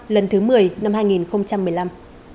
lần thứ một mươi năm hai nghìn một mươi năm